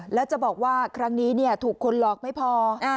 แล้วจะบอกว่าครั้งนี้ถูกคนหลอกไม่พอ